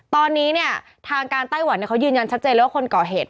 ตอนนี้เนี่ยทางการไต้หวันเขายืนยันชัดเจนเลยว่าคนก่อเหตุ